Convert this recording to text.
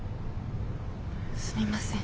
すみません。